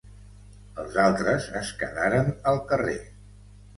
Els altres es quedaran al carrer.